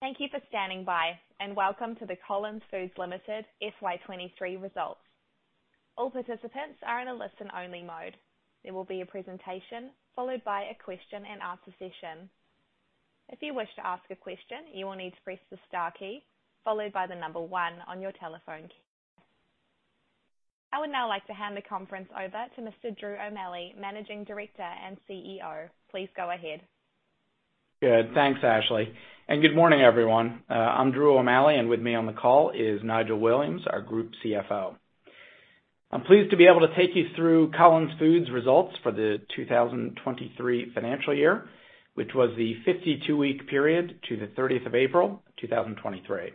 Thank you for standing by, and welcome to the Collins Foods Limited FY23 results. All participants are in a listen-only mode. There will be a presentation, followed by a question and answer session. If you wish to ask a question, you will need to press the star key followed by 1 on your telephone. I would now like to hand the conference over to Mr. Drew O'Malley, Managing Director and CEO. Please go ahead. Good. Thanks, Ashley, and good morning, everyone. I'm Drew O'Malley, and with me on the call is Nigel Williams, our Group CFO. I'm pleased to be able to take you through Collins Foods' results for the 2023 financial year, which was the 52-week period to the 30th of April, 2023.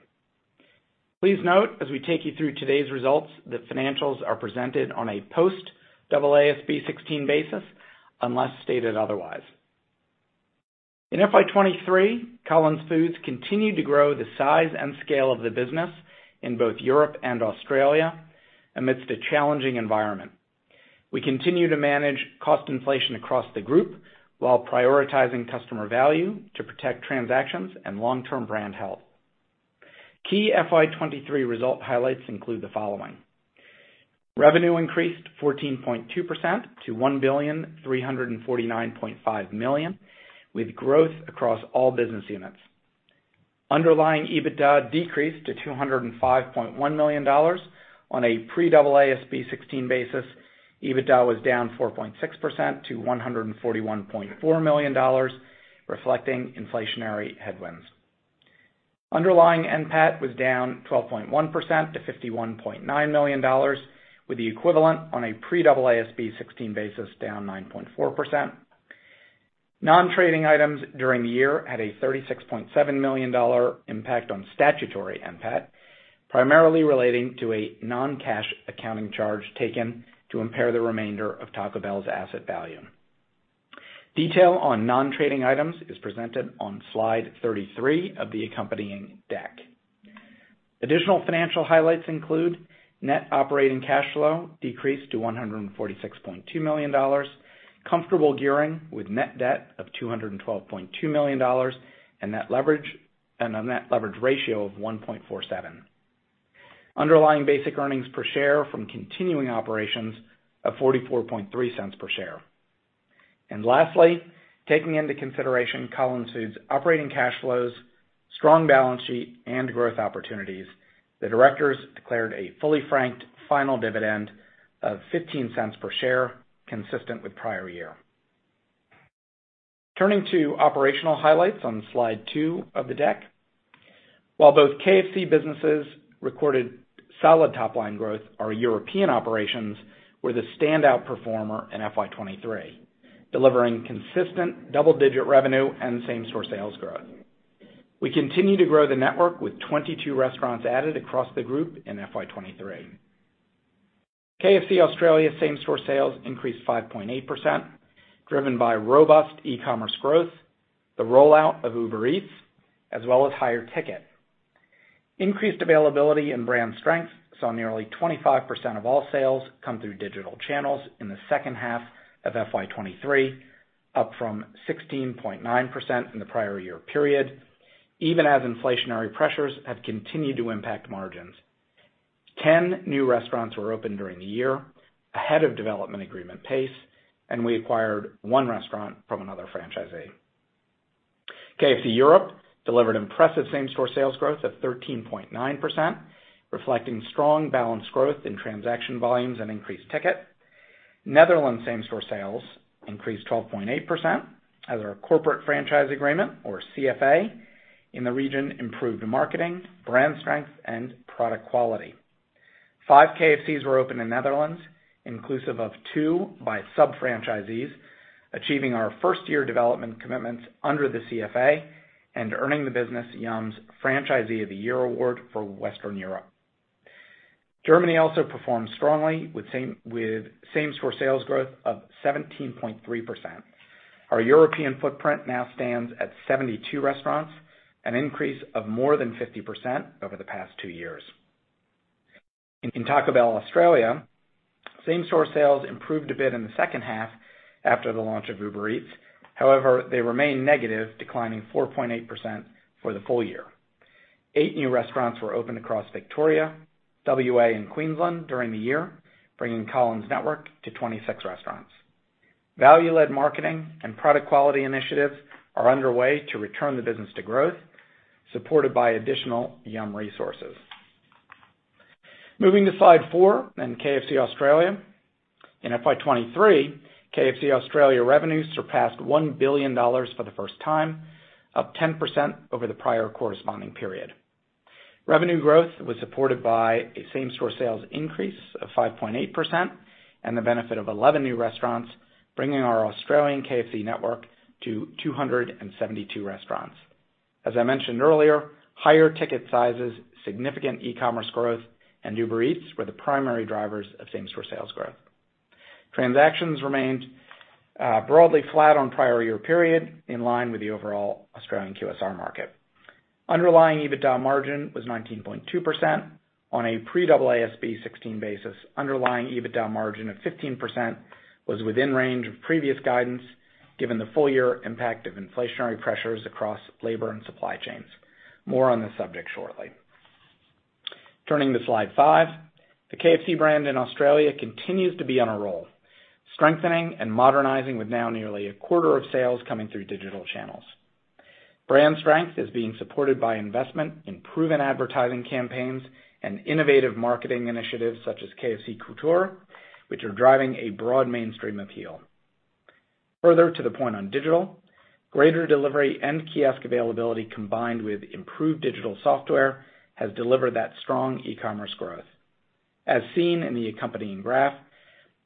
Please note, as we take you through today's results, that financials are presented on a post-AASB 16 basis, unless stated otherwise. In FY23, Collins Foods continued to grow the size and scale of the business in both Europe and Australia amidst a challenging environment. We continue to manage cost inflation across the group while prioritizing customer value to protect transactions and long-term brand health. Key FY23 result highlights include the following: Revenue increased 14.2% to 1,349.5 million, with growth across all business units. Underlying EBITDA decreased to 205.1 million dollars on a pre-AASB 16 basis. EBITDA was down 4.6% to 141.4 million dollars, reflecting inflationary headwinds. Underlying NPAT was down 12.1% to 51.9 million dollars, with the equivalent on a pre-AASB 16 basis down 9.4%. Non-trading items during the year had a 36.7 million dollar impact on statutory NPAT, primarily relating to a non-cash accounting charge taken to impair the remainder of Taco Bell's asset value. Detail on non-trading items is presented on slide 33 of the accompanying deck. Additional financial highlights include net operating cash flow decreased to 146.2 million dollars, comfortable gearing with net debt of 212.2 million dollars, and a net leverage ratio of 1.47. Underlying basic earnings per share from continuing operations of 0.443 per share. Lastly, taking into consideration Collins Foods' operating cash flows, strong balance sheet, and growth opportunities, the directors declared a fully franked final dividend of 0.15 per share, consistent with prior year. Turning to operational highlights on slide 2 of the deck. While both KFC businesses recorded solid top-line growth, our European operations were the standout performer in FY23, delivering consistent double-digit revenue and same-store sales growth. We continue to grow the network with 22 restaurants added across the group in FY23. KFC Australia same-store sales increased 5.8%, driven by robust e-commerce growth, the rollout of Uber Eats, as well as higher ticket. Increased availability and brand strength, saw nearly 25% of all sales come through digital channels in the second half of FY23, up from 16.9% in the prior year period, even as inflationary pressures have continued to impact margins. 10 new restaurants were opened during the year, ahead of development agreement pace, and we acquired 1 restaurant from another franchisee. KFC Europe delivered impressive same-store sales growth of 13.9%, reflecting strong balanced growth in transaction volumes and increased ticket. Netherlands same-store sales increased 12.8%, as our corporate franchise agreement, or CFA, in the region improved marketing, brand strength, and product quality. 5 KFCs were opened in Netherlands, inclusive of 2 by sub-franchisees, achieving our first-year development commitments under the CFA and earning the business Yum!'s Franchisee of the Year award for Western Europe. Germany also performed strongly with same-store sales growth of 17.3%. Our European footprint now stands at 72 restaurants, an increase of more than 50% over the past 2 years. In Taco Bell Australia, same-store sales improved a bit in the second half after the launch of Uber Eats. However, they remained negative, declining 4.8% for the full year. 8 new restaurants were opened across Victoria, WA, and Queensland during the year, bringing Collins Network to 26 restaurants. Value-led marketing and product quality initiatives are underway to return the business to growth, supported by additional Yum! resources. Moving to slide 4 in KFC Australia. In FY23, KFC Australia revenues surpassed 1 billion dollars for the first time, up 10% over the prior corresponding period. Revenue growth was supported by a same-store sales increase of 5.8% and the benefit of 11 new restaurants, bringing our Australian KFC network to 272 restaurants. As I mentioned earlier, higher ticket sizes, significant e-commerce growth, and Uber Eats were the primary drivers of same-store sales growth. Transactions remained broadly flat on prior year period, in line with the overall Australian QSR market. Underlying EBITDA margin was 19.2% on a pre-AASB 16 basis. Underlying EBITDA margin of 15% was within range of previous guidance, given the full year impact of inflationary pressures across labor and supply chains. More on this subject shortly. Turning to slide 5, the KFC brand in Australia continues to be on a roll, strengthening and modernizing, with now nearly a quarter of sales coming through digital channels. Brand strength is being supported by investment in proven advertising campaigns and innovative marketing initiatives such as KFC Couture, which are driving a broad mainstream appeal. Further to the point on digital, greater delivery and kiosk availability, combined with improved digital software, has delivered that strong e-commerce growth. As seen in the accompanying graph,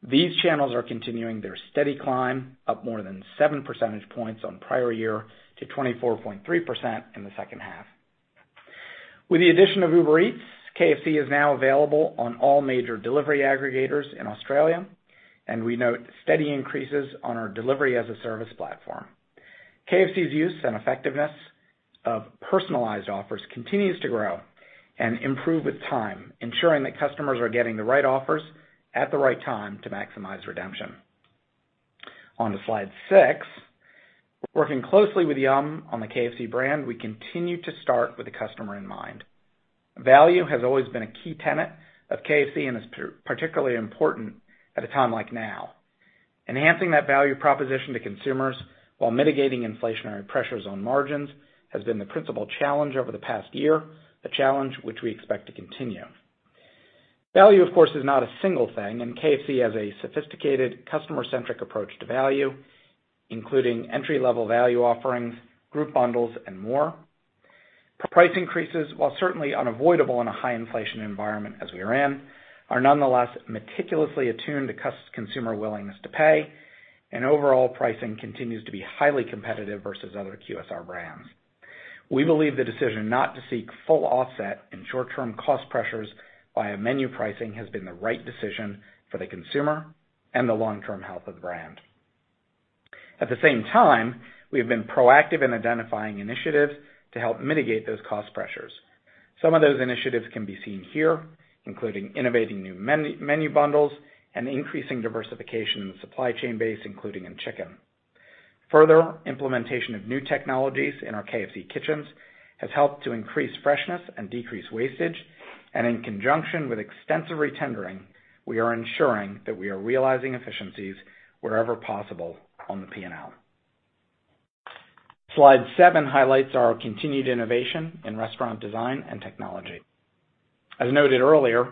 these channels are continuing their steady climb, up more than 7 percentage points on prior year to 24.3% in the second half. With the addition of Uber Eats, KFC is now available on all major delivery aggregators in Australia, and we note steady increases on our delivery-as-a-service platform. KFC's use and effectiveness of personalized offers continues to grow and improve with time, ensuring that customers are getting the right offers at the right time to maximize redemption. On to slide six. Working closely with Yum!! on the KFC brand, we continue to start with the customer in mind. Value has always been a key tenet of KFC and is particularly important at a time like now. Enhancing that value proposition to consumers while mitigating inflationary pressures on margins, has been the principal challenge over the past year, a challenge which we expect to continue. Value, of course, is not a single thing, and KFC has a sophisticated, customer-centric approach to value, including entry-level value offerings, group bundles, and more. Price increases, while certainly unavoidable in a high inflation environment as we are in, are nonetheless meticulously attuned to consumer willingness to pay, and overall pricing continues to be highly competitive versus other QSR brands. We believe the decision not to seek full offset in short-term cost pressures via menu pricing has been the right decision for the consumer and the long-term health of the brand. At the same time, we have been proactive in identifying initiatives to help mitigate those cost pressures. Some of those initiatives can be seen here, including innovating new menu bundles and increasing diversification in the supply chain base, including in chicken. Further, implementation of new technologies in our KFC kitchens has helped to increase freshness and decrease wastage, and in conjunction with extensive retendering, we are ensuring that we are realizing efficiencies wherever possible on the P&L. Slide seven highlights our continued innovation in restaurant design and technology. As noted earlier,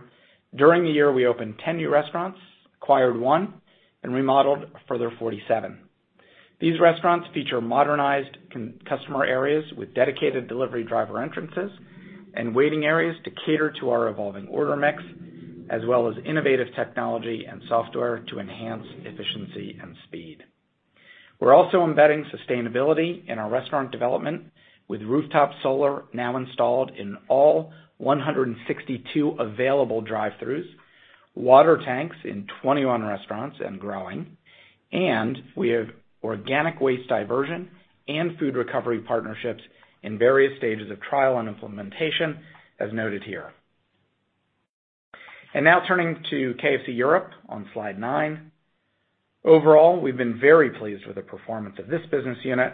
during the year, we opened 10 new restaurants, acquired one, and remodeled a further 47. These restaurants feature modernized customer areas with dedicated delivery driver entrances and waiting areas to cater to our evolving order mix, as well as innovative technology and software to enhance efficiency and speed. We're also embedding sustainability in our restaurant development, with rooftop solar now installed in all 162 available drive-thrus, water tanks in 21 restaurants and growing, and we have organic waste diversion and food recovery partnerships in various stages of trial and implementation, as noted here. Now turning to KFC Europe on slide nine. Overall, we've been very pleased with the performance of this business unit.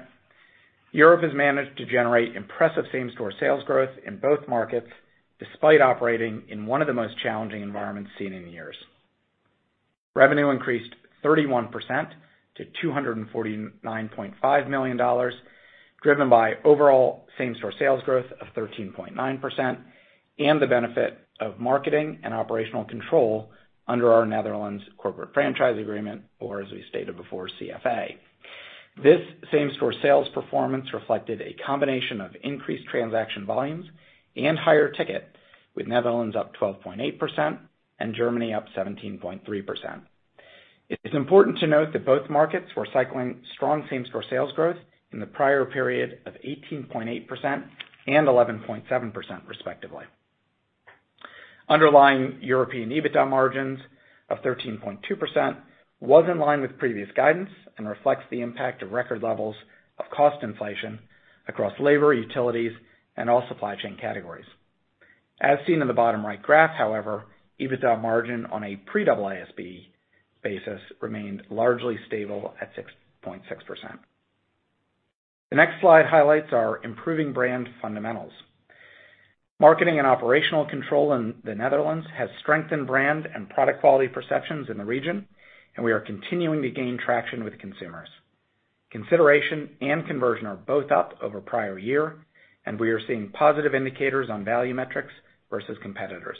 Europe has managed to generate impressive same-store sales growth in both markets, despite operating in one of the most challenging environments seen in years. Revenue increased 31% to $249.5 million, driven by overall same-store sales growth of 13.9%, and the benefit of marketing and operational control under our Netherlands corporate franchise agreement, or as we stated before, CFA. This same-store sales performance reflected a combination of increased transaction volumes and higher ticket, with Netherlands up 12.8% and Germany up 17.3%. It's important to note that both markets were cycling strong same-store sales growth in the prior period of 18.8% and 11.7%, respectively. Underlying European EBITDA margins of 13.2% was in line with previous guidance and reflects the impact of record levels of cost inflation across labor, utilities, and all supply chain categories. As seen in the bottom right graph, however, EBITDA margin on a pre-AASB basis remained largely stable at 6.6%. The next slide highlights our improving brand fundamentals. Marketing and operational control in the Netherlands has strengthened brand and product quality perceptions in the region, and we are continuing to gain traction with consumers. Consideration and conversion are both up over prior year, and we are seeing positive indicators on value metrics versus competitors.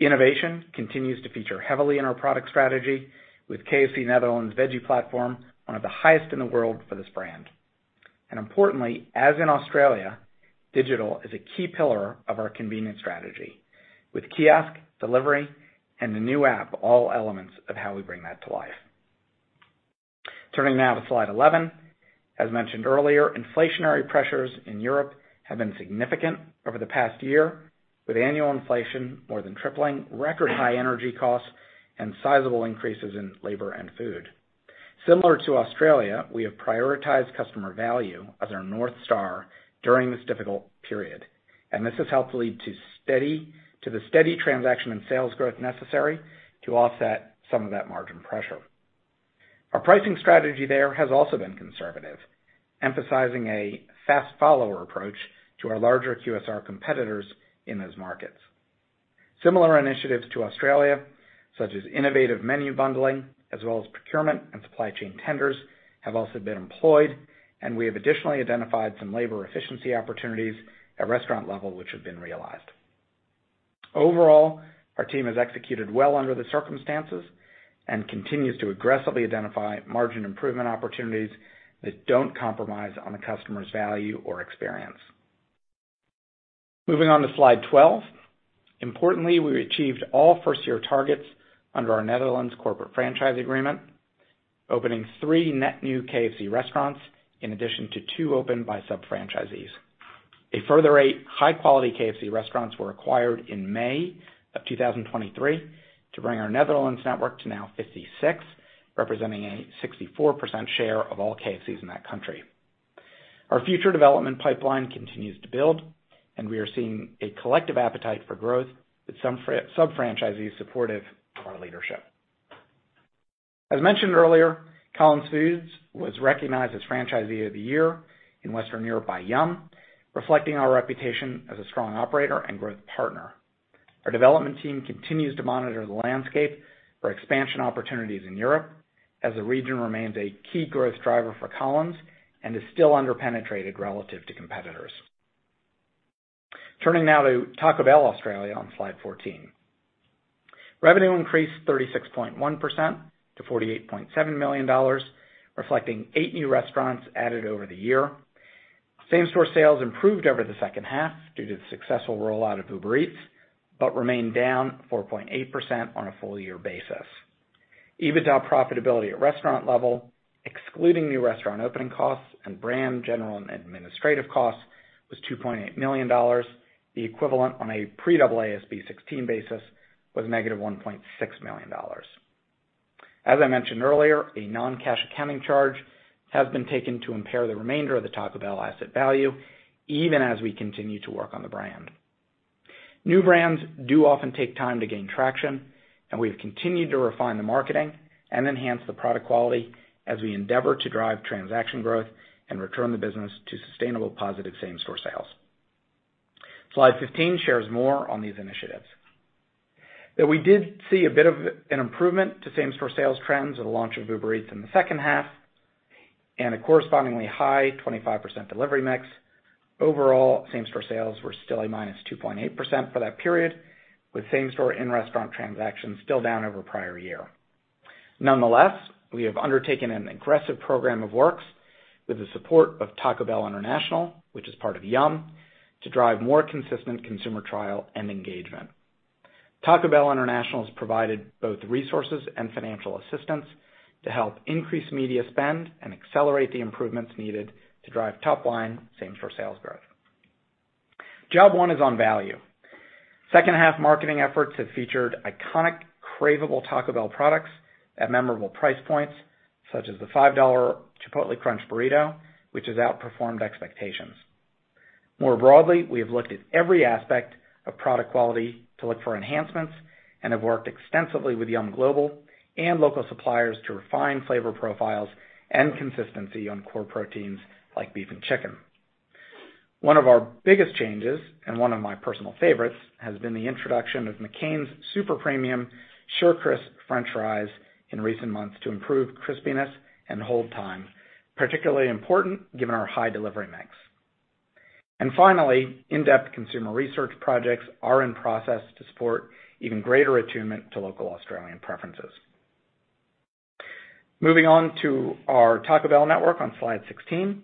Innovation continues to feature heavily in our product strategy, with KFC Netherlands veggie platform, one of the highest in the world for this brand. Importantly, as in Australia, digital is a key pillar of our convenience strategy, with kiosk, delivery, and the new app, all elements of how we bring that to life. Turning now to slide 11. As mentioned earlier, inflationary pressures in Europe have been significant over the past year, with annual inflation more than tripling, record high energy costs, and sizable increases in labor and food. Similar to Australia, we have prioritized customer value as our North Star during this difficult period, and this has helped lead to the steady transaction and sales growth necessary to offset some of that margin pressure. Our pricing strategy there has also been conservative, emphasizing a fast follower approach to our larger QSR competitors in those markets. Similar initiatives to Australia, such as innovative menu bundling, as well as procurement and supply chain tenders, have also been employed, and we have additionally identified some labor efficiency opportunities at restaurant level, which have been realized. Overall, our team has executed well under the circumstances and continues to aggressively identify margin improvement opportunities that don't compromise on the customer's value or experience. Moving on to slide 12. Importantly, we achieved all first-year targets under our Netherlands corporate franchise agreement, opening 3 net new KFC restaurants, in addition to 2 opened by sub-franchisees. A further 8 high-quality KFC restaurants were acquired in May 2023 to bring our Netherlands network to now 56, representing a 64% share of all KFCs in that country. Our future development pipeline continues to build. We are seeing a collective appetite for growth with some sub-franchisees supportive of our leadership. As mentioned earlier, Collins Foods was recognized as Franchisee of the Year in Western Europe by Yum!!, reflecting our reputation as a strong operator and growth partner. Our development team continues to monitor the landscape for expansion opportunities in Europe, as the region remains a key growth driver for Collins and is still under-penetrated relative to competitors. Turning now to Taco Bell Australia on slide 14. Revenue increased 36.1% to 48.7 million dollars, reflecting eight new restaurants added over the year. Same-store sales improved over the second half due to the successful rollout of Uber Eats, remained down 4.8% on a full year basis. EBITDA profitability at restaurant level, excluding new restaurant opening costs and brand, general, and administrative costs, was $2.8 million. The equivalent on a pre-AASB 16 basis was negative $1.6 million. As I mentioned earlier, a non-cash accounting charge has been taken to impair the remainder of the Taco Bell asset value, even as we continue to work on the brand. New brands do often take time to gain traction, and we've continued to refine the marketing and enhance the product quality as we endeavor to drive transaction growth and return the business to sustainable, positive same-store sales. Slide 15 shares more on these initiatives. We did see a bit of an improvement to same-store sales trends at the launch of Uber Eats in the second half and a correspondingly high 25% delivery mix. Overall, same-store sales were still a minus 2.8% for that period, with same-store in-restaurant transactions still down over prior year. Nonetheless, we have undertaken an aggressive program of works with the support of Taco Bell International, which is part of Yum!, to drive more consistent consumer trial and engagement. Taco Bell International has provided both resources and financial assistance to help increase media spend and accelerate the improvements needed to drive top line same-store sales growth. Job one is on value. Second-half marketing efforts have featured iconic, cravable Taco Bell products at memorable price points, such as the $5 Chipotle Crunch Burrito, which has outperformed expectations. More broadly, we have looked at every aspect of product quality to look for enhancements and have worked extensively with Yum! Global and local suppliers to refine flavor profiles and consistency on core proteins like beef and chicken. One of our biggest changes, and one of my personal favorites, has been the introduction of McCain's super-premium SureCrisp French fries in recent months to improve crispiness and hold time, particularly important given our high delivery mix. Finally, in-depth consumer research projects are in process to support even greater attunement to local Australian preferences. Moving on to our Taco Bell network on slide 16.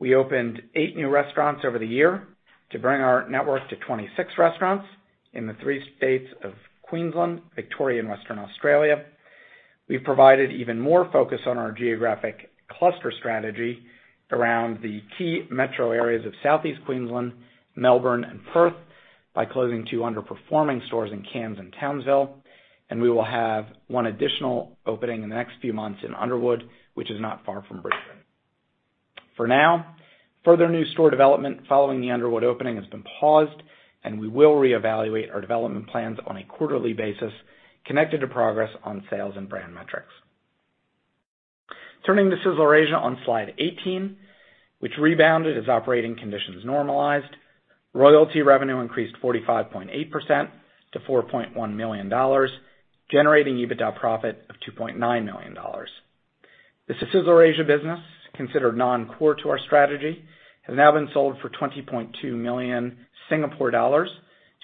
We opened 8 new restaurants over the year to bring our network to 26 restaurants in the 3 states of Queensland, Victoria, and Western Australia. We've provided even more focus on our geographic cluster strategy around the key metro areas of Southeast Queensland, Melbourne, and Perth by closing 2 underperforming stores in Cairns and Townsville, and we will have 1 additional opening in the next few months in Underwood, which is not far from Brisbane. For now, further new store development following the Underwood opening has been paused. We will reevaluate our development plans on a quarterly basis connected to progress on sales and brand metrics. Turning to Sizzler Asia on slide 18, which rebounded as operating conditions normalized, royalty revenue increased 45.8% to 4.1 million dollars, generating EBITDA profit of 2.9 million dollars. The Sizzler Asia business, considered non-core to our strategy, has now been sold for 20.2 million Singapore dollars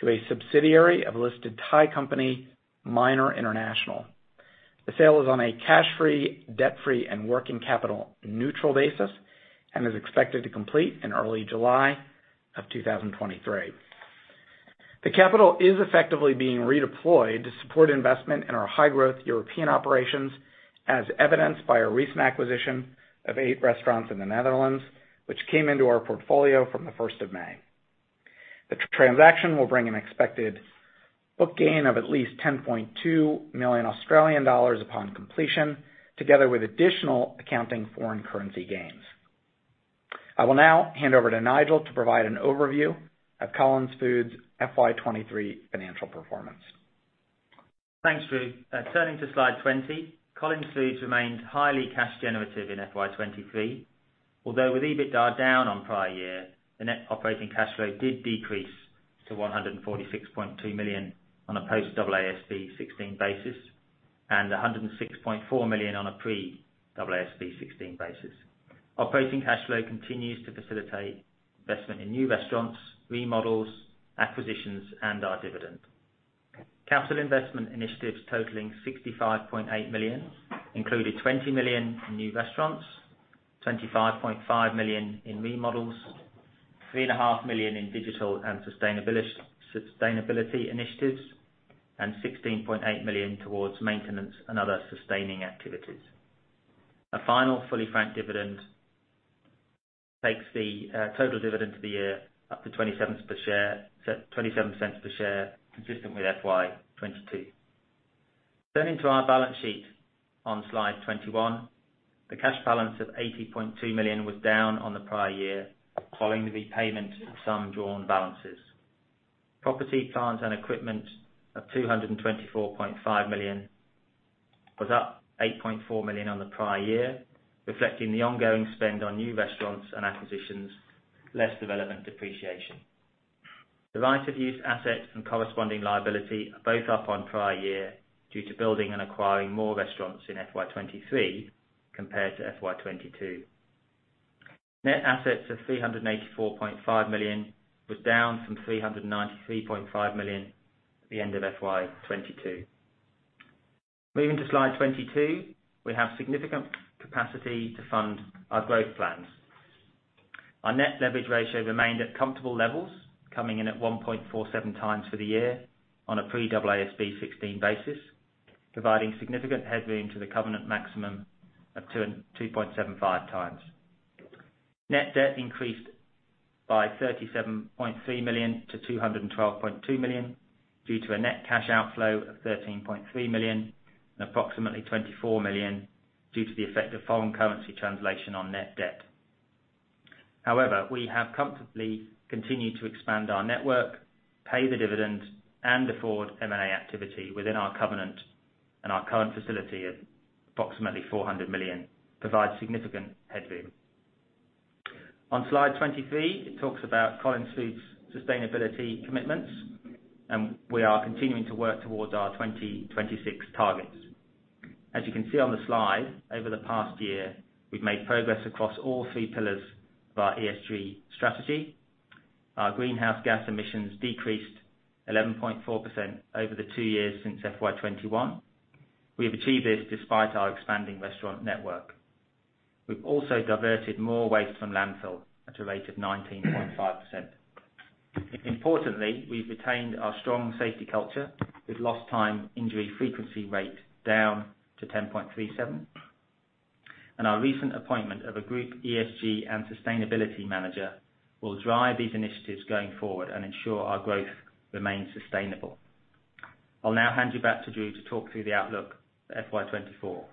to a subsidiary of a listed Thai company, Minor International. The sale is on a cash-free, debt-free, and working capital neutral basis. It is expected to complete in early July of 2023. The capital is effectively being redeployed to support investment in our high-growth European operations, as evidenced by our recent acquisition of 8 restaurants in the Netherlands, which came into our portfolio from the 1st of May. The transaction will bring an expected book gain of at least 10.2 million Australian dollars upon completion, together with additional accounting foreign currency gains. I will now hand over to Nigel to provide an overview of Collins Foods' FY23 financial performance. Thanks, Drew. Turning to Slide 20, Collins Foods remains highly cash generative in FY23. Although with EBITDA down on prior year, the net operating cash flow did decrease to 146.2 million on a post-AASB 16 basis, and 106.4 million on a pre-AASB 16 basis. Operating cash flow continues to facilitate investment in new restaurants, remodels, acquisitions, and our dividend. Capital investment initiatives totaling 65.8 million, included 20 million in new restaurants, 25.5 million in remodels, three and a half million in digital and sustainability initiatives, and 16.8 million towards maintenance and other sustaining activities. A final fully franked dividend takes the total dividend of the year up to 0.27 per share, consistent with FY22. Turning to our balance sheet on Slide 21, the cash balance of $80.2 million was down on the prior year, following the repayment of some drawn balances. Property, plant, and equipment of $224.5 million was up $8.4 million on the prior year, reflecting the ongoing spend on new restaurants and acquisitions, less development depreciation. The right of use assets and corresponding liability are both up on prior year, due to building and acquiring more restaurants in FY23 compared to FY22. Net assets of $384.5 million was down from $393.5 million at the end of FY22. Moving to Slide 22, we have significant capacity to fund our growth plans. Our net leverage ratio remained at comfortable levels, coming in at 1.47 times for the year on a pre-AASB 16 basis, providing significant headroom to the covenant maximum of 2.75 times. Net debt increased by 37.3 million to 212.2 million, due to a net cash outflow of 13.3 million, and approximately 24 million due to the effect of foreign currency translation on net debt. We have comfortably continued to expand our network, pay the dividend, and afford M&A activity within our covenant. Our current facility of approximately 400 million provides significant headroom. On Slide 23, it talks about Collins Foods' sustainability commitments. We are continuing to work towards our 2026 targets. As you can see on the slide, over the past year, we've made progress across all three pillars of our ESG strategy. Our greenhouse gas emissions decreased 11.4% over the 2 years since FY21. We have achieved this despite our expanding restaurant network. We've also diverted more waste from landfill at a rate of 19.5%. Importantly, we've retained our strong safety culture with lost time injury frequency rate down to 10.37. Our recent appointment of a group ESG and sustainability manager will drive these initiatives going forward and ensure our growth remains sustainable. I'll now hand you back to Drew to talk through the outlook for FY24.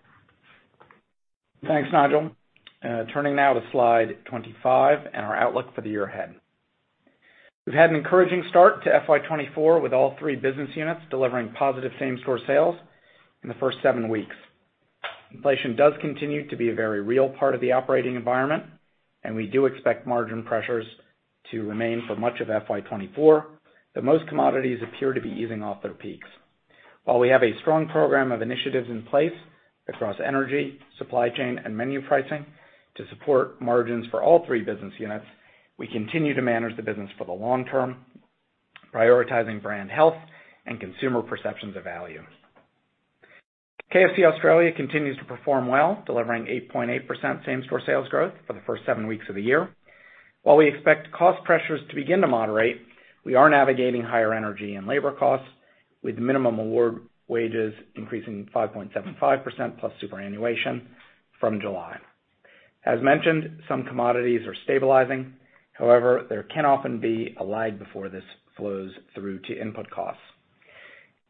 Thanks, Nigel. Turning now to Slide 25 and our outlook for the year ahead. We've had an encouraging start to FY24, with all three business units delivering positive same-store sales in the first seven weeks. Inflation does continue to be a very real part of the operating environment, we do expect margin pressures to remain for much of FY24, but most commodities appear to be easing off their peaks. While we have a strong program of initiatives in place across energy, supply chain, and menu pricing to support margins for all three business units, we continue to manage the business for the long term, prioritizing brand health and consumer perceptions of value. KFC Australia continues to perform well, delivering 8.8% same-store sales growth for the first seven weeks of the year. While we expect cost pressures to begin to moderate, we are navigating higher energy and labor costs, with minimum award wages increasing 5.75% plus superannuation from July. As mentioned, some commodities are stabilizing. However, there can often be a lag before this flows through to input costs.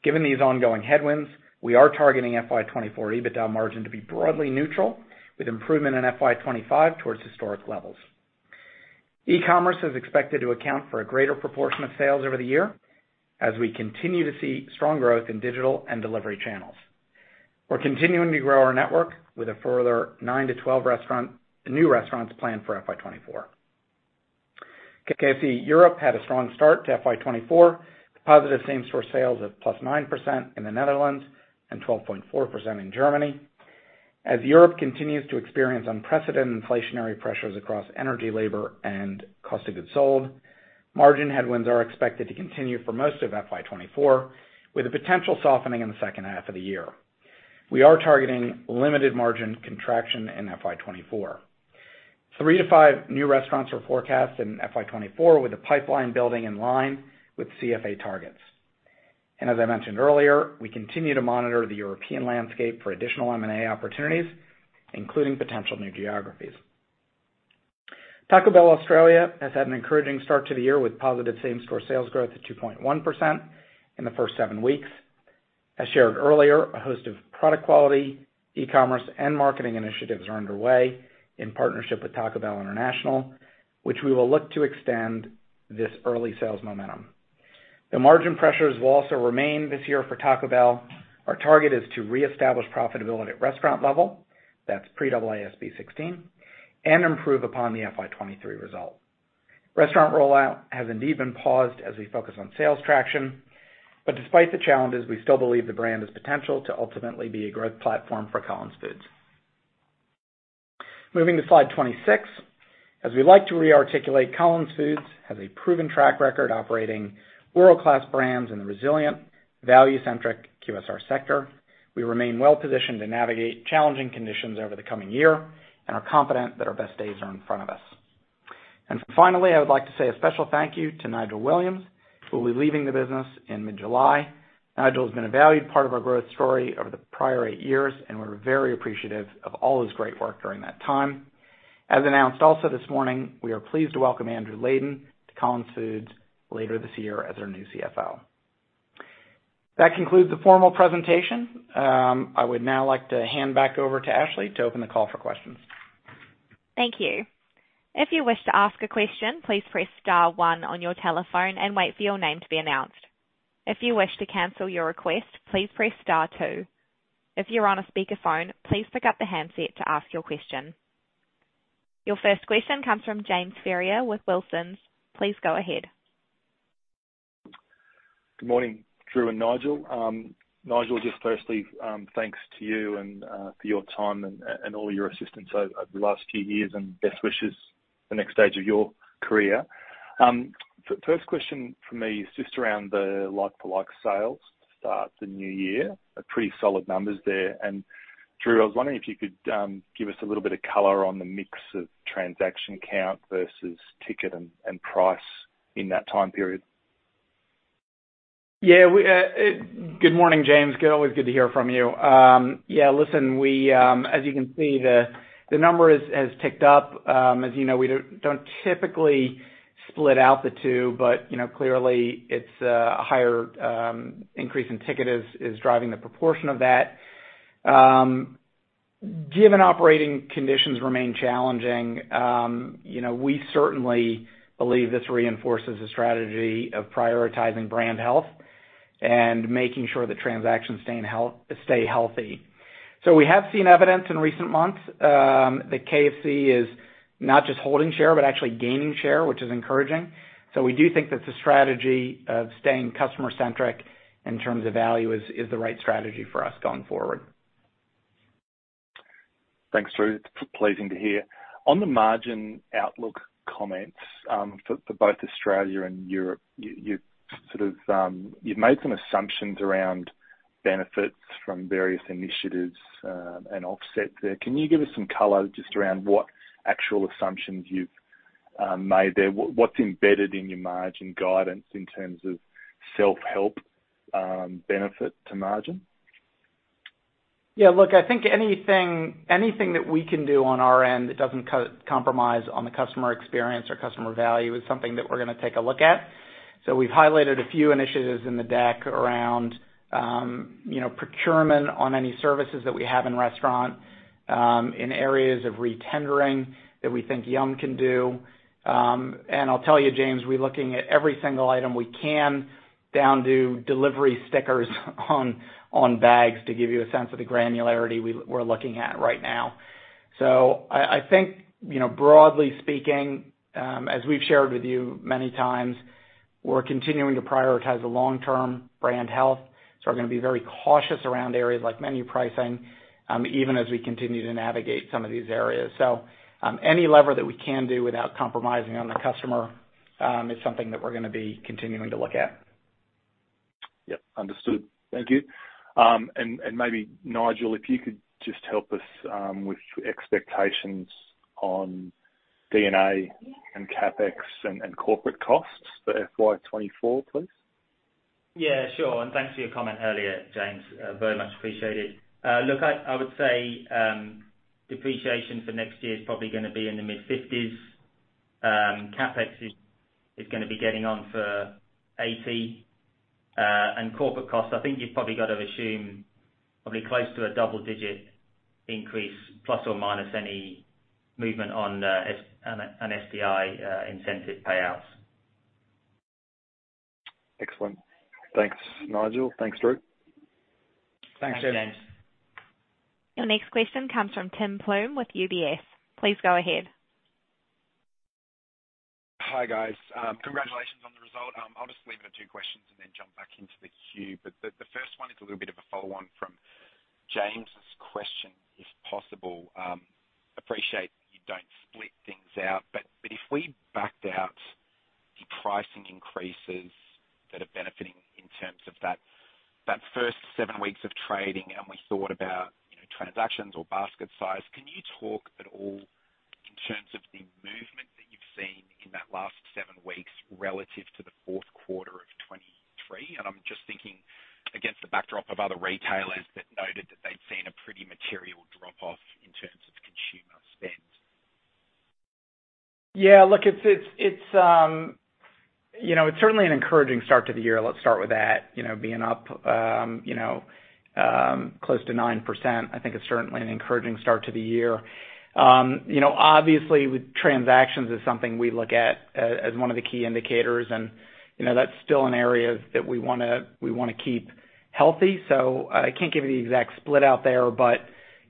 Given these ongoing headwinds, we are targeting FY24 EBITDA margin to be broadly neutral, with improvement in FY25 towards historic levels. E-commerce is expected to account for a greater proportion of sales over the year, as we continue to see strong growth in digital and delivery channels. We're continuing to grow our network with a further 9-12 restaurant, new restaurants planned for FY24. KFC Europe had a strong start to FY24, with positive same-store sales of +9% in the Netherlands and 12.4% in Germany. Europe continues to experience unprecedented inflationary pressures across energy, labor, and cost of goods sold, margin headwinds are expected to continue for most of FY24, with a potential softening in the second half of the year. We are targeting limited margin contraction in FY24. 3 to 5 new restaurants are forecast in FY24, with the pipeline building in line with CFA targets. As I mentioned earlier, we continue to monitor the European landscape for additional M&A opportunities, including potential new geographies. Taco Bell Australia has had an encouraging start to the year with positive same-store sales growth of 2.1% in the first 7 weeks. Shared earlier, a host of product quality, e-commerce, and marketing initiatives are underway in partnership with Taco Bell International, which we will look to extend this early sales momentum. The margin pressures will also remain this year for Taco Bell. Our target is to reestablish profitability at restaurant level, that's pre-AASB 16, and improve upon the FY23 result. Restaurant rollout has indeed been paused as we focus on sales traction. Despite the challenges, we still believe the brand has potential to ultimately be a growth platform for Collins Foods. Moving to slide 26. As we like to re-articulate, Collins Foods has a proven track record operating world-class brands in the resilient, value-centric QSR sector. We remain well positioned to navigate challenging conditions over the coming year and are confident that our best days are in front of us. Finally, I would like to say a special thank you to Nigel Williams, who will be leaving the business in mid-July. Nigel has been a valued part of our growth story over the prior 8 years, and we're very appreciative of all his great work during that time. As announced also this morning, we are pleased to welcome Andrew Leyden to Collins Foods later this year as our new CFO. That concludes the formal presentation. I would now like to hand back over to Ashley to open the call for questions. Thank you. If you wish to ask a question, please press star one on your telephone and wait for your name to be announced. If you wish to cancel your request, please press star two. If you're on a speakerphone, please pick up the handset to ask your question. Your first question comes from James Ferrier with Wilsons'. Please go ahead. Good morning, Drew and Nigel. Nigel, just firstly, thanks to you and for your time and all your assistance over the last few years, and best wishes for the next stage of your career. First question from me is just around the like-for-like sales to start the new year. A pretty solid numbers there. Drew, I was wondering if you could give us a little bit of color on the mix of transaction count versus ticket and price in that time period. Good morning, James. Good, always good to hear from you. Listen, we, as you can see, the number has ticked up. As you know, we don't typically split out the two, but, you know, clearly, it's a higher increase in ticket is driving the proportion of that. Given operating conditions remain challenging, you know, we certainly believe this reinforces the strategy of prioritizing brand health and making sure the transactions stay healthy. We have seen evidence in recent months that KFC is not just holding share, but actually gaining share, which is encouraging. We do think that the strategy of staying customer-centric in terms of value is the right strategy for us going forward. Thanks, Drew. It's pleasing to hear. On the margin outlook comments, for both Australia and Europe, you sort of, you've made some assumptions around benefits from various initiatives, and offsets there. Can you give us some color just around what actual assumptions you've made there? What's embedded in your margin guidance in terms of self-help, benefit to margin? Yeah, look, I think anything that we can do on our end that doesn't compromise on the customer experience or customer value is something that we're gonna take a look at. We've highlighted a few initiatives in the deck around, you know, procurement on any services that we have in restaurant, in areas of re-tendering that we think Yum!! can do. I'll tell you, James, we're looking at every single item we can down to delivery stickers on bags to give you a sense of the granularity we're looking at right now. I think, you know, broadly speaking, as we've shared with you many times, we're continuing to prioritize the long-term brand health, so we're gonna be very cautious around areas like menu pricing, even as we continue to navigate some of these areas. Any lever that we can do without compromising on the customer, is something that we're gonna be continuing to look at. Yep, understood. Thank you. Maybe Nigel, if you could just help us with expectations on D&A and CapEx and corporate costs for FY24, please. Yeah, sure. Thanks for your comment earlier, James. Very much appreciated. Look, I would say, depreciation for next year is probably going to be in the mid-50s AUD. capex is going to be getting on for 80. Corporate costs, I think you've probably got to assume probably close to a double-digit increase, plus or minus any movement on STI incentive payouts. Excellent. Thanks, Nigel. Thanks, Drew. Thanks, James. Thanks, James. Your next question comes from Tim Plumbe with UBS. Please go ahead. Hi, guys, congratulations on the result. I'll just leave it at 2 questions and then jump back into the queue. The 1st one is a little bit of a follow-on from James's question, if possible. Appreciate you don't split things out, but if we backed out the pricing increases that are benefiting in terms of that 1st 7 weeks of trading, and we thought about, you know, transactions or basket size, can you talk at all... in terms of the movement that you've seen in that last 7 weeks relative to the 4th quarter of 2023? I'm just thinking against the backdrop of other retailers that noted that they'd seen a pretty material drop-off in terms of consumer spend. Yeah, look, it's, you know, it's certainly an encouraging start to the year, let's start with that. You know, being up, close to 9%, I think is certainly an encouraging start to the year. You know, obviously, with transactions is something we look at, as one of the key indicators, and, you know, that's still an area that we wanna keep healthy. I can't give you the exact split out there, but,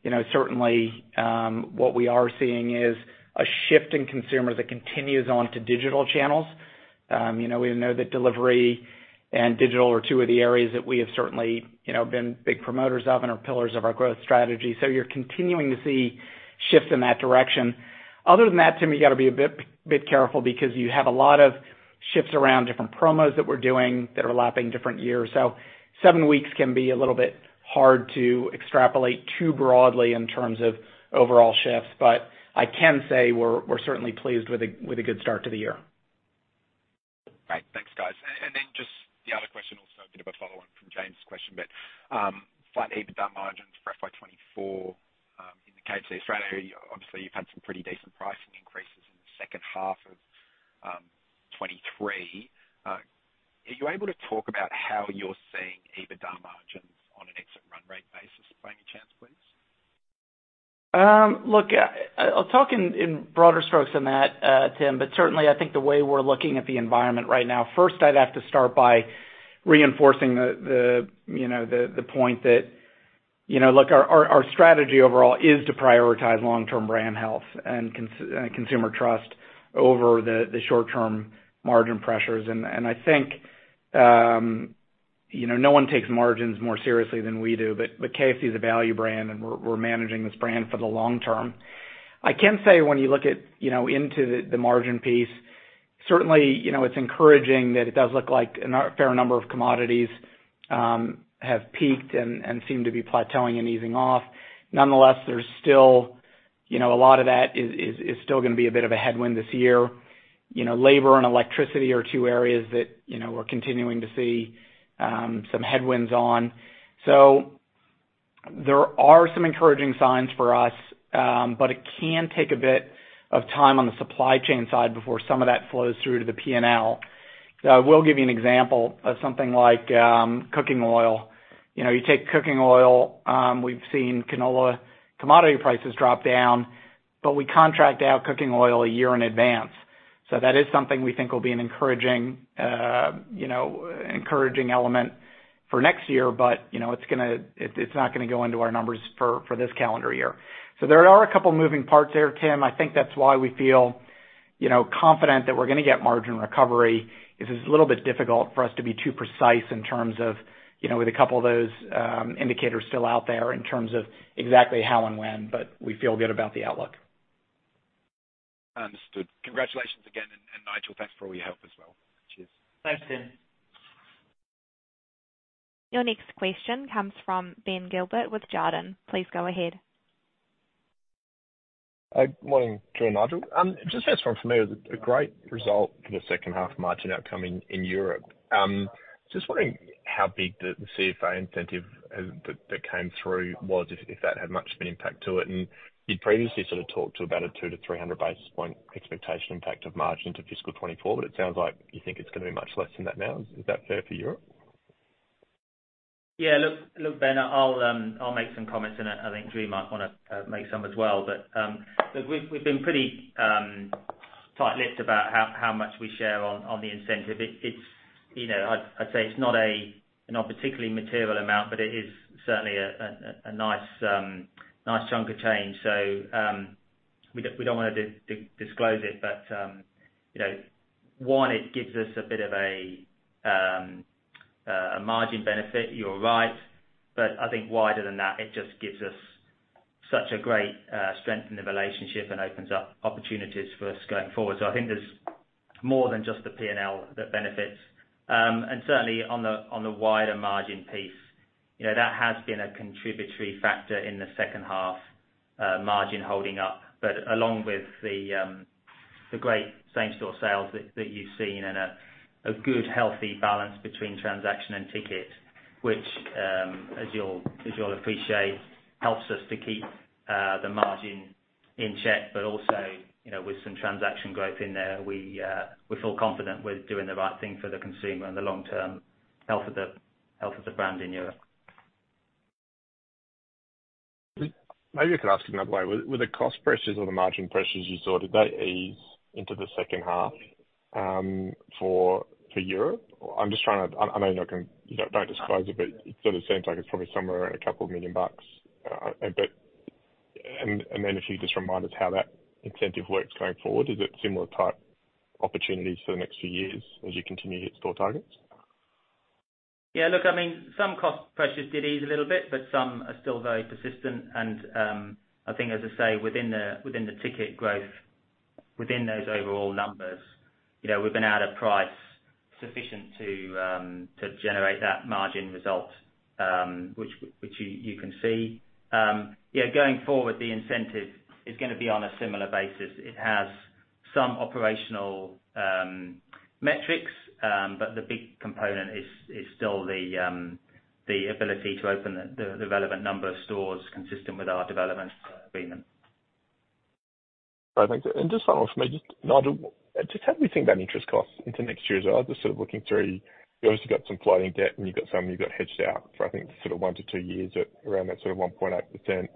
you know, certainly, what we are seeing is a shift in consumers that continues on to digital channels. You know, we know that delivery and digital are two of the areas that we have certainly, you know, been big promoters of and are pillars of our growth strategy. You're continuing to see shifts in that direction. Other than that, Tim, you've got to be a bit careful because you have a lot of shifts around different promos that we're doing that are lapping different years. Seven weeks can be a little bit hard to extrapolate too broadly in terms of overall shifts, but I can say we're certainly pleased with a good start to the year. Great. Thanks, guys. Then just the other question, also a bit of a follow-on from James' question, but flat EBITDA margins for FY24, in the case of Australia, obviously, you've had some pretty decent pricing increases in the second half of 2023. Are you able to talk about how you're seeing EBITDA margins on an exit run rate basis by any chance, please? Look, I'll talk in broader strokes on that, Tim. Certainly, I think the way we're looking at the environment right now. First, I'd have to start by reinforcing the point that, you know, look, our strategy overall is to prioritize long-term brand health and consumer trust over the short-term margin pressures. I think, you know, no one takes margins more seriously than we do, but KFC is a value brand, and we're managing this brand for the long term. I can say when you look at, you know, into the margin piece, certainly, you know, it's encouraging that it does look like a fair number of commodities have peaked and seem to be plateauing and easing off. There's still, you know, a lot of that is still gonna be a bit of a headwind this year. You know, labor and electricity are 2 areas that, you know, we're continuing to see some headwinds on. There are some encouraging signs for us, but it can take a bit of time on the supply chain side before some of that flows through to the P&L. I will give you an example of something like cooking oil. You know, you take cooking oil, we've seen canola commodity prices drop down, but we contract out cooking oil a year in advance. That is something we think will be an encouraging, you know, encouraging element for next year, but, you know, it's not gonna go into our numbers for this calendar year. There are a couple of moving parts there, Tim. I think that's why we feel, you know, confident that we're gonna get margin recovery. It's just a little bit difficult for us to be too precise in terms of, you know, with a couple of those indicators still out there, in terms of exactly how and when, but we feel good about the outlook. Understood. Congratulations again, and Nigel, thanks for all your help as well. Cheers. Thanks, Tim. Your next question comes from Ben Gilbert with Jarden. Please go ahead. Morning, Drew and Nigel. Just first from me, a great result for the second half margin outcome in Europe. Just wondering how big the CFA incentive that came through was, if that had much of an impact to it? You'd previously sort of talked to about a 200-300 basis points expectation impact of margin to FY24, but it sounds like you think it's gonna be much less than that now. Is that fair for Europe? Yeah, look, Ben, I'll make some comments, and I think Drew might wanna make some as well. Look, we've been pretty tight-lipped about how much we share on the incentive. It's, you know, I'd say it's not a particularly material amount, but it is certainly a nice chunk of change, so we don't wanna disclose it. You know, one, it gives us a bit of a margin benefit, you're right. I think wider than that, it just gives us such a great strength in the relationship and opens up opportunities for us going forward. I think there's more than just the P&L that benefits. Certainly on the wider margin piece, you know, that has been a contributory factor in the second half, margin holding up. Along with the great same-store sales that you've seen and a good, healthy balance between transaction and ticket, which, as you'll appreciate, helps us to keep the margin in check. Also, you know, with some transaction growth in there, we feel confident we're doing the right thing for the consumer and the long-term health of the brand in Europe. Maybe I could ask it another way. With the cost pressures or the margin pressures you saw, did they ease into the second half for Europe? I'm just trying to. I know you're not going to, don't disclose it, but it sort of seems like it's probably somewhere around a couple of million AUD. If you just remind us how that incentive works going forward, is it similar type opportunities for the next few years as you continue to hit store targets? Look, I mean, some cost pressures did ease a little bit. Some are still very persistent, and I think, as I say, within those overall numbers, you know, we've been out of price sufficient to generate that margin result, which you can see. Going forward, the incentive is gonna be on a similar basis. It has some operational metrics. The big component is still the ability to open the relevant number of stores consistent with our development agreement. Thanks. Just one more for me, Nigel, how do we think about interest costs into next year as well? Just sort of looking through, you obviously got some floating debt, and you've got some you got hedged out for, I think, sort of 1-2 years at around that sort of 1.8%.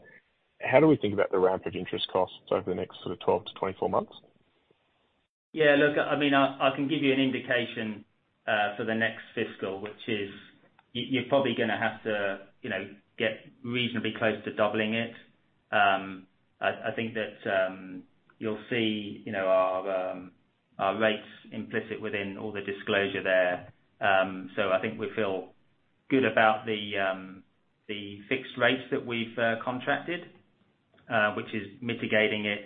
How do we think about the rampage interest costs over the next sort of 12-24 months? Yeah, look, I mean, I can give you an indication for the next fiscal, which is you're probably gonna have to, you know, get reasonably close to doubling it. I think that you'll see, you know, our rates implicit within all the disclosure there. I think we feel good about the fixed rates that we've contracted, which is mitigating it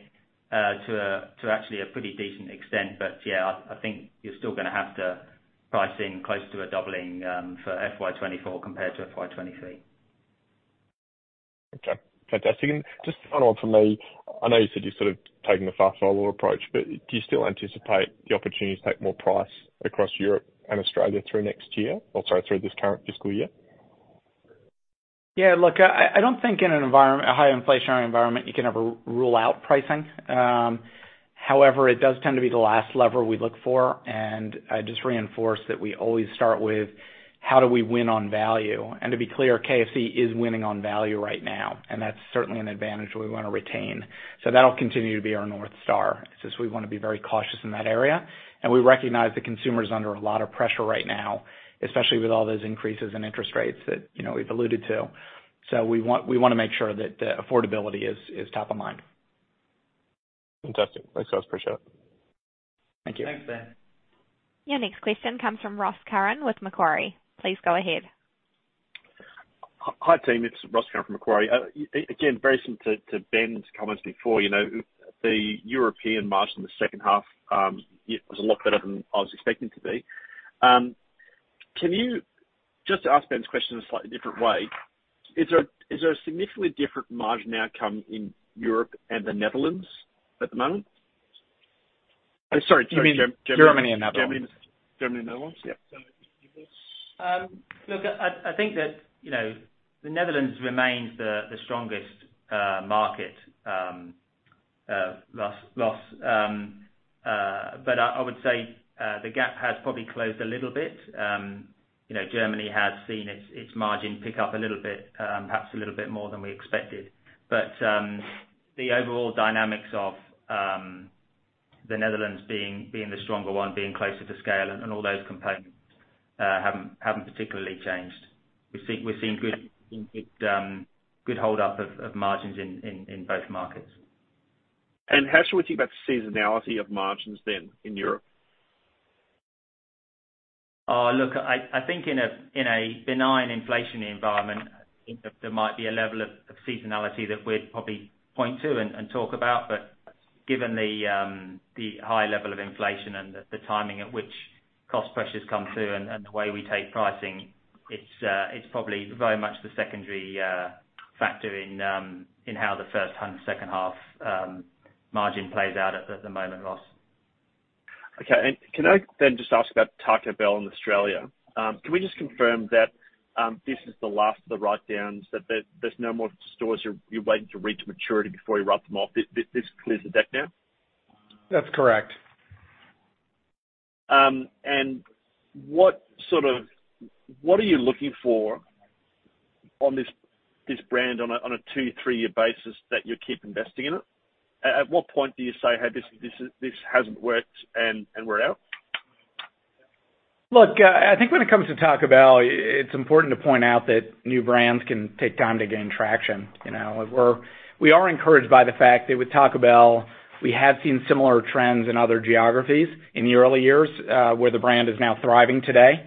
to actually a pretty decent extent. Yeah, I think you're still gonna have to price in close to a doubling for FY24 compared to FY23. Okay. Fantastic. Just one more from me. I know you said you're sort of taking a fast follower approach, but do you still anticipate the opportunity to take more price across Europe and Australia through next year, or sorry, through this current fiscal year? Yeah, look, I don't think in an environment, a high inflationary environment, you can ever rule out pricing. However, it does tend to be the last lever we look for, I just reinforce that we always start with: How do we win on value? To be clear, KFC is winning on value right now, and that's certainly an advantage we want to retain. That'll continue to be our North Star, since we want to be very cautious in that area, and we recognize the consumer's under a lot of pressure right now, especially with all those increases in interest rates that, you know, we've alluded to. We want to make sure that affordability is top of mind. Fantastic. Thanks, guys. Appreciate it. Thank you. Thanks, Ben. Your next question comes from Ross Curran with Macquarie. Please go ahead. Hi, team. It's Ross Curran from Macquarie. Again, very similar to Ben's comments before, you know, the European margin in the second half, it was a lot better than I was expecting it to be. Can you just to ask Ben's question in a slightly different way, is there a significantly different margin outcome in Europe and the Netherlands at the moment, sorry, Germany? Germany and Netherlands. Germany and Netherlands, yep. Look, I think that, you know, the Netherlands remains the strongest market, Ross. I would say, the gap has probably closed a little bit. You know, Germany has seen its margin pick up a little bit, perhaps a little bit more than we expected. The overall dynamics of the Netherlands being the stronger one, being closer to scale and all those components, haven't particularly changed. We're seeing good hold up of margins in both markets. How should we think about the seasonality of margins then in Europe? Oh, look, I think in a benign inflationary environment, there might be a level of seasonality that we'd probably point to and talk about, but given the high level of inflation and the timing at which cost pressures come through and the way we take pricing, it's probably very much the secondary factor in how the first and second half margin plays out at the moment, Ross. Okay. Can I then just ask about Taco Bell in Australia? Can we just confirm that, this is the last of the write-downs, that there's no more stores you're waiting to reach maturity before you write them off? This clears the deck now? That's correct. What are you looking for on this brand on a 2, 3-year basis that you'll keep investing in it? At what point do you say, "Hey, this hasn't worked and we're out? Look, I think when it comes to Taco Bell, it's important to point out that new brands can take time to gain traction. You know, we are encouraged by the fact that with Taco Bell, we have seen similar trends in other geographies in the early years, where the brand is now thriving today.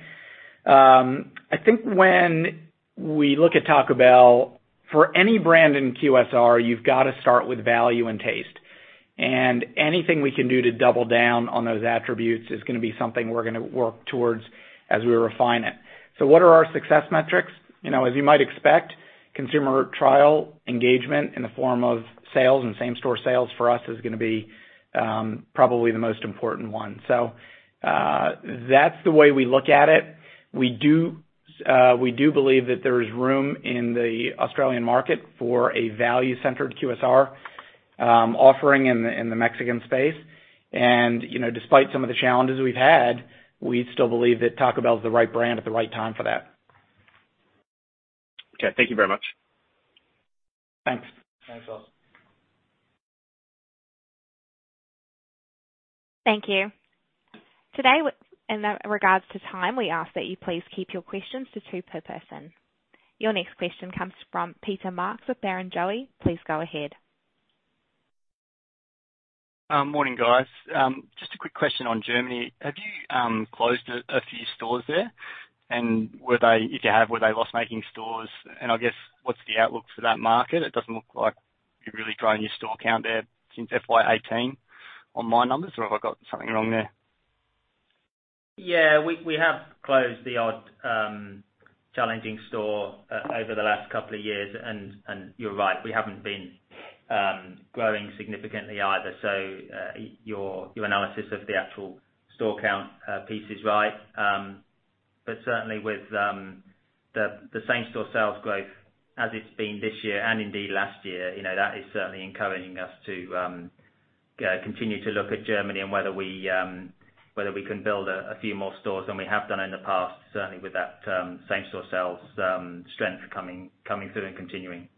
I think when we look at Taco Bell, for any brand in QSR, you've got to start with value and taste, and anything we can do to double down on those attributes is gonna be something we're gonna work towards as we refine it. What are our success metrics? You know, as you might expect, consumer trial, engagement in the form of sales and same store sales for us is gonna be, probably the most important one. That's the way we look at it. We do believe that there is room in the Australian market for a value-centered QSR, offering in the Mexican space. You know, despite some of the challenges we've had, we still believe that Taco Bell is the right brand at the right time for that. Okay. Thank you very much. Thanks. Thanks, Ross. Thank you. Today, in regards to time, we ask that you please keep your questions to two per person. Your next question comes from Peter Marks with Barrenjoey. Please go ahead. Morning, guys. Just a quick question on Germany. Have you closed a few stores there? Were they loss-making stores? I guess, what's the outlook for that market? It doesn't look like you're really growing your store count there since FY18 on my numbers, or have I got something wrong there? We have closed the odd, challenging store over the last couple of years. You're right, we haven't been growing significantly either. Your analysis of the actual store count piece is right. Certainly with the same-store sales growth as it's been this year and indeed last year, you know, that is certainly encouraging us to continue to look at Germany and whether we can build a few more stores than we have done in the past, certainly with that same-store sales strength coming through and continuing.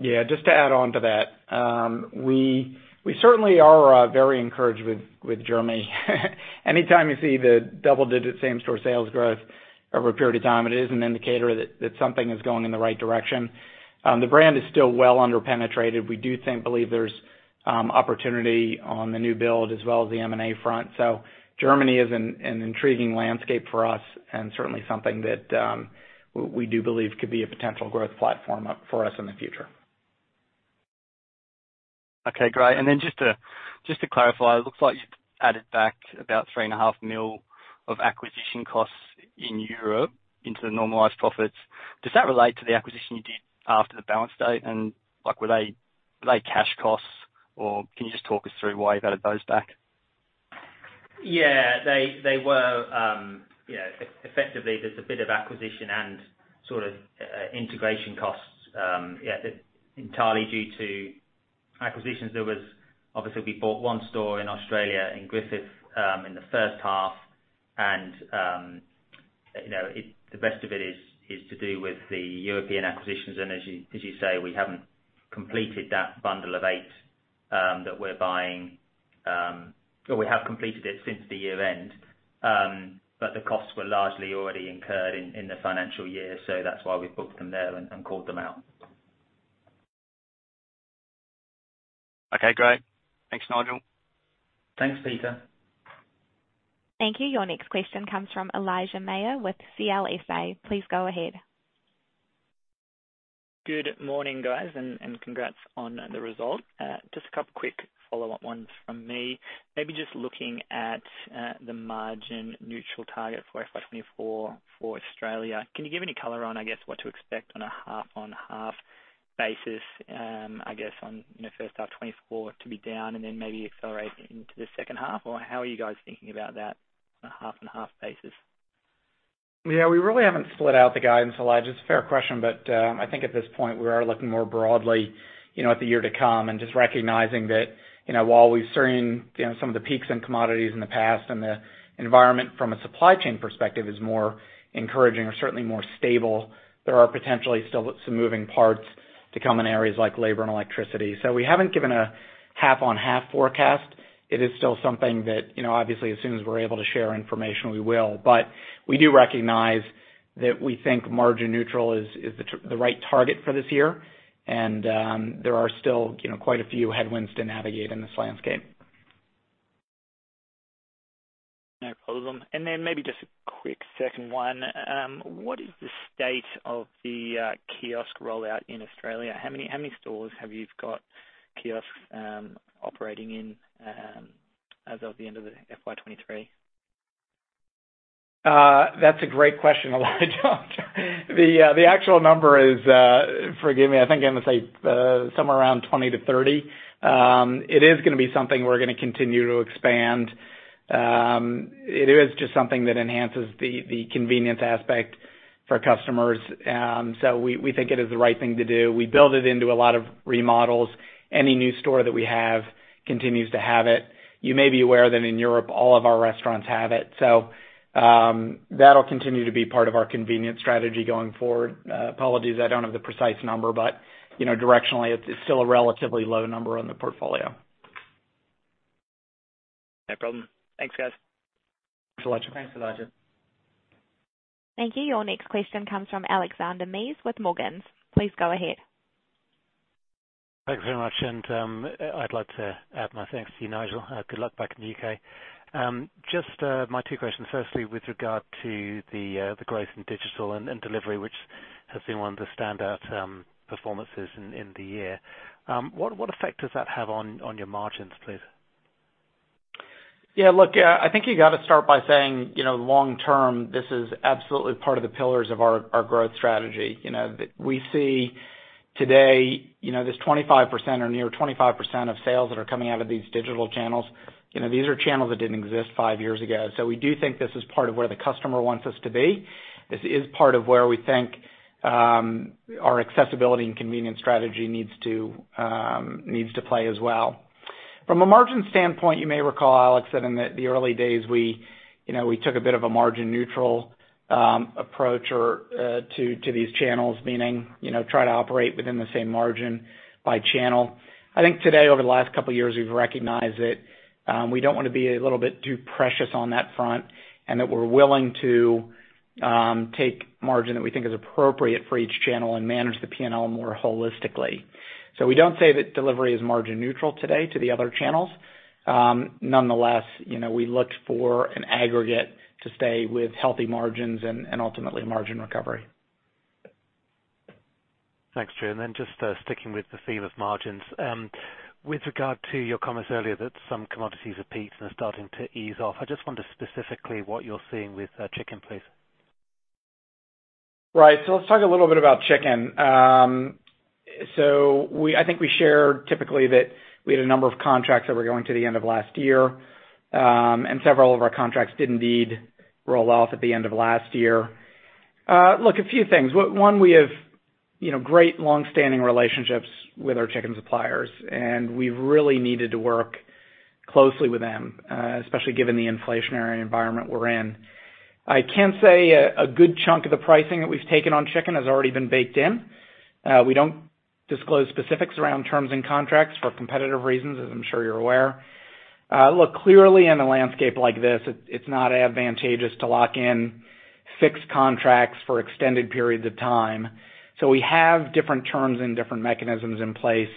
Yeah, just to add on to that, we certainly are very encouraged with Germany. Anytime you see the double-digit same-store sales growth over a period of time, it is an indicator that something is going in the right direction. The brand is still well under-penetrated. We believe there's opportunity on the new build as well as the M&A front. Germany is an intriguing landscape for us, and certainly something that we do believe could be a potential growth platform up for us in the future. Okay, great. Just to clarify, it looks like you've added back about three and a half mil of acquisition costs in Europe into the normalized profits. Does that relate to the acquisition you did after the balance date? Like, were they cash costs, or can you just talk us through why you've added those back? Yeah, they were effectively, there's a bit of acquisition and sort of integration costs, entirely due to acquisitions. Obviously, we bought one store in Australia, in Griffith, in the first half, and, you know, the best of it is to do with the European acquisitions. As you say, we haven't completed that bundle of eight that we're buying, or we have completed it since the year end, but the costs were largely already incurred in the financial year. That's why we've booked them there and called them out. Okay, great. Thanks, Nigel. Thanks, Peter. Thank you. Your next question comes from Elijah Mayr with CLSA. Please go ahead. Good morning, guys, and congrats on the result. Just a couple quick follow-up ones from me. Maybe just looking at the margin neutral target for FY24 for Australia, can you give any color on, I guess, what to expect on a half-on-half basis, I guess on, you know, first half 2024 to be down and then maybe accelerate into the second half? How are you guys thinking about that on a half-and-half basis? Yeah, we really haven't split out the guidance, Elijah. It's a fair question, but I think at this point, we are looking more broadly, you know, at the year to come, and just recognizing that, you know, while we've seen, you know, some of the peaks in commodities in the past, and the environment from a supply chain perspective is more encouraging or certainly more stable, there are potentially still some moving parts to come in areas like labor and electricity. We haven't given a half-on-half forecast. It is still something that, you know, obviously, as soon as we're able to share information, we will. We do recognize that we think margin neutral is the right target for this year. There are still, you know, quite a few headwinds to navigate in this landscape. No problem. Maybe just a quick second one. What is the state of the kiosk rollout in Australia, how many stores have you've got kiosks operating in, as of the end of FY23? That's a great question, Elijah. The actual number is, forgive me, I think I'm gonna say, somewhere around 20-30. It is gonna be something we're gonna continue to expand. It is just something that enhances the convenience aspect for customers. We think it is the right thing to do. We build it into a lot of remodels. Any new store that we have continues to have it. You may be aware that in Europe, all of our restaurants have it. That'll continue to be part of our convenience strategy going forward. Apologies, I don't have the precise number, but, you know, directionally it's still a relatively low number on the portfolio. No problem. Thanks, guys. Thanks, Elijah. Thanks, Elijah. Thank you. Your next question comes from Alexander Mees with Morgans. Please go ahead. Thanks very much. I'd like to add my thanks to you, Nigel. Good luck back in the U.K. Just my two questions. Firstly, with regard to the growth in digital and delivery, which has been one of the standout performances in the year. What effect does that have on your margins, please? Yeah, look, I think you got to start by saying, you know, long term, this is absolutely part of the pillars of our growth strategy. You know, we see today, you know, there's 25% or near 25% of sales that are coming out of these digital channels. You know, these are channels that didn't exist five years ago. We do think this is part of where the customer wants us to be. This is part of where we think, our accessibility and convenience strategy needs to, needs to play as well. From a margin standpoint, you may recall, Alex, that in the early days we, you know, we took a bit of a margin neutral approach or to these channels, meaning, you know, try to operate within the same margin by channel. I think today, over the last couple of years, we've recognized that, we don't wanna be a little bit too precious on that front, and that we're willing to, take margin that we think is appropriate for each channel and manage the P&L more holistically. We don't say that delivery is margin neutral today to the other channels. Nonetheless, you know, we look for an aggregate to stay with healthy margins and ultimately margin recovery. Thanks, Drew. Just sticking with the theme of margins, with regard to your comments earlier that some commodities have peaked and are starting to ease off, I just wonder specifically what you're seeing with chicken, please. Right. Let's talk a little bit about chicken. We I think we shared typically that we had a number of contracts that were going to the end of last year. Several of our contracts did indeed roll off at the end of last year. Look, a few things. One, we have, you know, great long-standing relationships with our chicken suppliers, and we've really needed to work closely with them, especially given the inflationary environment we're in. I can say a good chunk of the pricing that we've taken on chicken has already been baked in. We don't disclose specifics around terms and contracts for competitive reasons, as I'm sure you're aware. Look, clearly in a landscape like this, it's not advantageous to lock in fixed contracts for extended periods of time. We have different terms and different mechanisms in place,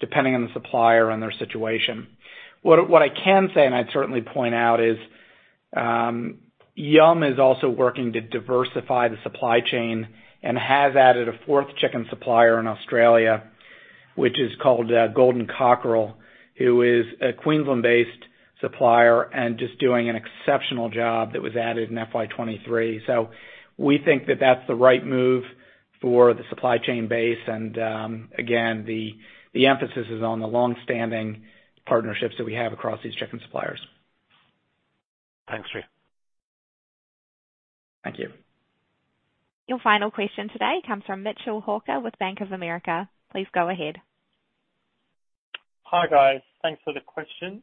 depending on the supplier and their situation. What I can say, and I'd certainly point out, is, Yum!! is also working to diversify the supply chain and has added a fourth chicken supplier in Australia, which is called Golden Cockerel, who is a Queensland-based supplier and just doing an exceptional job that was added in FY23. We think that that's the right move for the supply chain base, and, again, the emphasis is on the long-standing partnerships that we have across these chicken suppliers. Thanks, Drew. Thank you. Your final question today comes from Mitchell Hawker with Bank of America. Please go ahead. Hi, guys. Thanks for the question.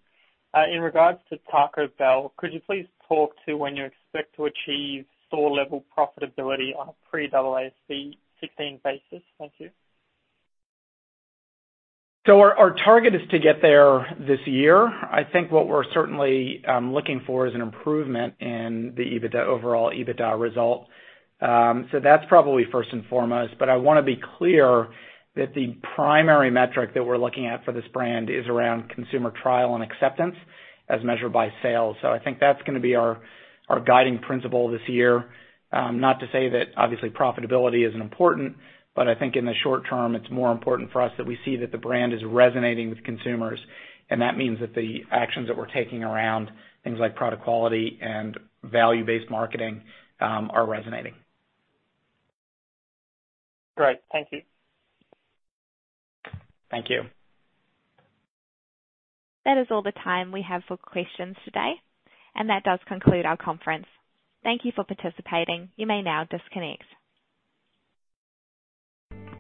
In regards to Taco Bell, could you please talk to when you expect to achieve store-level profitability on a pre-AASB 16 basis? Thank you. Our target is to get there this year. I think what we're certainly looking for is an improvement in the EBITDA, overall EBITDA result. That's probably first and foremost, but I want to be clear that the primary metric that we're looking at for this brand is around consumer trial and acceptance as measured by sales. I think that's going to be our guiding principle this year. Not to say that obviously profitability isn't important, but I think in the short term, it's more important for us that we see that the brand is resonating with consumers, and that means that the actions that we're taking around things like product quality and value-based marketing are resonating. Great. Thank you. Thank you. That is all the time we have for questions today, and that does conclude our conference. Thank you for participating. You may now disconnect.